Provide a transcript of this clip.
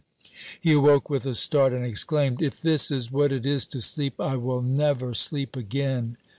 He awoke with a start, and exclaimed, "If this is what it is to sleep, I will never sleep again!"